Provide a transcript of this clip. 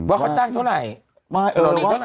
ว่าเขาจ้างเท่าไหร่